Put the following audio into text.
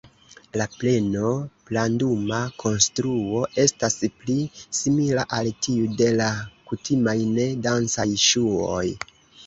La pleno-planduma konstruo estas pli simila al tiu de la kutimaj, ne-dancaj ŝuoj.